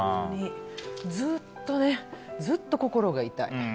本当に、ずっと心が痛い。